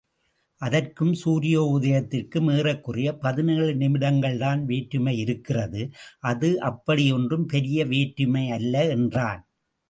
அதற்கும் சூரியோதயத்திற்கும் ஏறக்குறையப் பதினேழு நிமிடங்கள்தான் வேற்றுமையிருக்கிறது, அது அப்படி ஒன்றும் பெரிய வேற்றுமையல்ல! என்றான்.